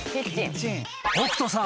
［北斗さん。